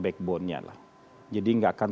backbone nya lah jadi nggak akan